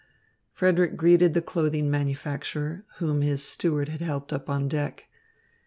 Frederick greeted the clothing manufacturer, whom his steward had helped up on deck.